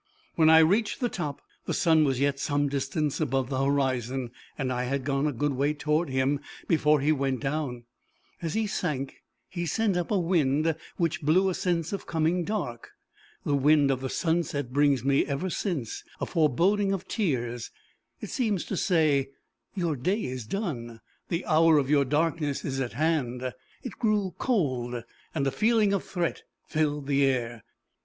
When I reached the top, the sun was yet some distance above the horizon, and I had gone a good way toward him before he went down. As he sank he sent up a wind, which blew a sense of coming dark. The wind of the sunset brings me, ever since, a foreboding of tears: it seems to say "Your day is done; the hour of your darkness is at hand." It grew cold, and a feeling of threat filled the air.